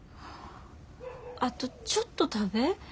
あとちょっと食べ。